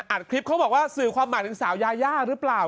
คลิปเขาบอกว่าสื่อความหมายถึงสาวยายาหรือเปล่า